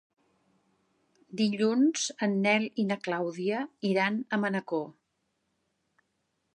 Dilluns en Nel i na Clàudia iran a Manacor.